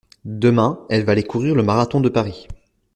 Demain, elle va aller courir le marathon de Paris.